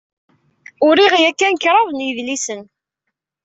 Uriɣ yakan kraḍ n yidlisen.